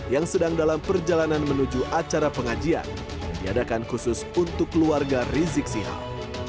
yang sedang dalam perjalanan menuju acara pengajian diadakan khusus untuk keluarga rizik sihab